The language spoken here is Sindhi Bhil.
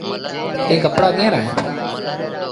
اي ڪپڙآ ڪݩهݩ رآ اهيݩ۔